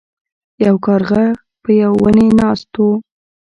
یو کارغه په یو ونې ناست و.